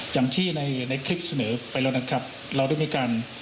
อย่างที่ในคลิปเสนอไปแล้วนะครับเราได้มีการ